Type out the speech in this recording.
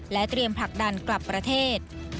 เตรียมผลักดันกลับประเทศ